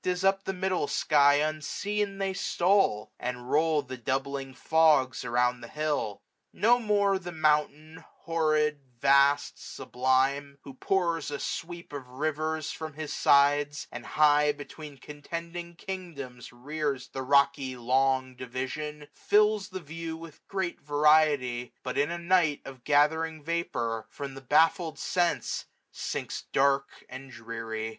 As up the middle sky unseen they stole ; And roll the doubling fogs around the hilt. No more the mountain, horrid, vast, sublime, Who pours a sweep of riversr from his sides, 710 And high between contending kingdoms rears The rocky long division, fills the view With great variety ; but in a night Of gathering vapour, from the baffled sense Sinks dark and dreary.